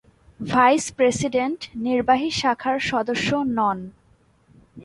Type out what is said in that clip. Vice president নির্বাহী শাখার সদস্য নন।